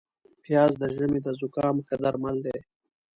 پیاز د ژمي د زکام ښه درمل دي